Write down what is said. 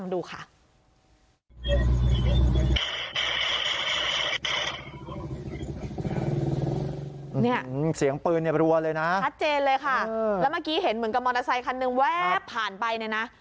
แล้วเมื่อกี้เห็นมันกับมอเตอร์ไซค์คันแว้บผ่านไปเลยนะ